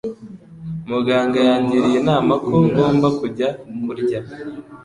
Muganga yangiriye inama ko ngomba kujya kurya.